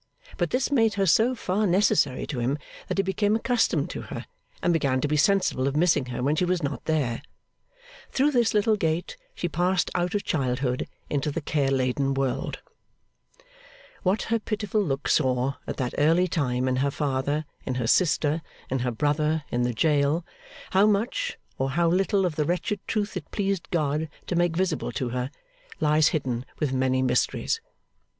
But this made her so far necessary to him that he became accustomed to her, and began to be sensible of missing her when she was not there. Through this little gate, she passed out of childhood into the care laden world. What her pitiful look saw, at that early time, in her father, in her sister, in her brother, in the jail; how much, or how little of the wretched truth it pleased God to make visible to her; lies hidden with many mysteries.